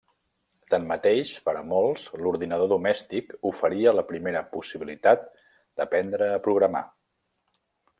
Tanmateix, per a molts, l'ordinador domèstic oferia la primera possibilitat d'aprendre a programar.